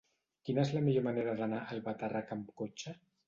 Quina és la millor manera d'anar a Albatàrrec amb cotxe?